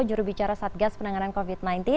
jurubicara satgas penanganan covid sembilan belas